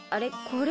これ。